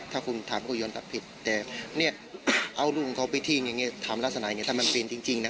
ถ้าคนถามพวกก็ยอมรับผิดแต่เอาดูคุณไปที่ถามราศนาอย่างนี้ถ้ามันเป็นจริงนะ